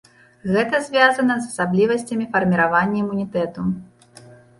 Гэта звязана з асаблівасцямі фарміравання імунітэту.